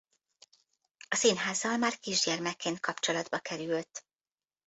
A színházzal már kisgyermekként kapcsolatba került.